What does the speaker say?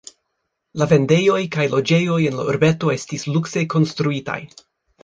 La vendejoj kaj loĝejoj en la urbeto estis lukse konstruitaj.